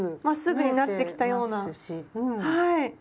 まっすぐになってきたようなはい。